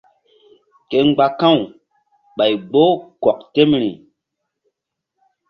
Ke mgba ka̧w ɓay gboh kɔk temri.